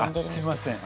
すいません。